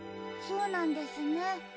そうなんですね。